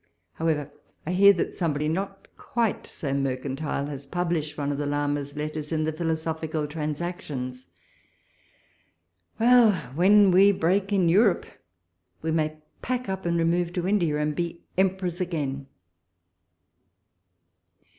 However, I hear that somebody, not quite so mercantile, has published one of the Lama's letters in the "Philosophical Transactions." walpole's letters. 177 Well ! when we break in Europe, we may pack up and remove to India, and be emperors again